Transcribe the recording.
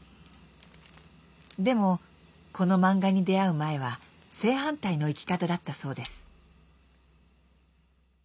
でもこの漫画に出会う前は正反対の生き方だったそうです。